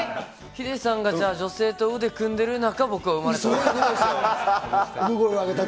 ヒデさんが女性と腕組んでる中、僕は生まれた。